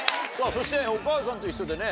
そして『おかあさんといっしょ』でね